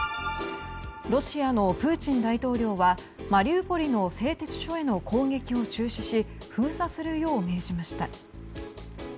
ロシアのプーチン大統領はマリウポリの製鉄所への攻撃を中止し封鎖するよう命じました。